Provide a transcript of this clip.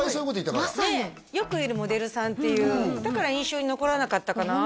まさによくいるモデルさんっていうだから印象に残らなかったかなって